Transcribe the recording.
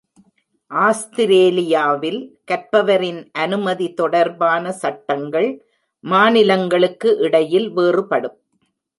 ஆஸ்திரேலியாவில் கற்பவரின் அனுமதி தொடர்பான சட்டங்கள் மாநிலங்களுக்கு இடையில் வேறுபடும்.